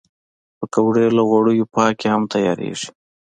پکورې له غوړیو پاکې هم تیارېږي